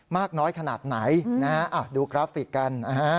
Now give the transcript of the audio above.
มากน้อยขนาดไหนดูกราฟิกกัน